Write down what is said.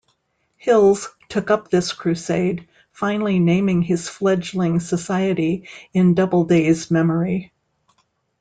Hills took up this crusade, finally naming his fledgling society in Doubleday's memory.